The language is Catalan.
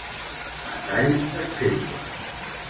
A tall d'exemple.